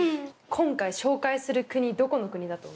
今回紹介する国どこの国だと思う？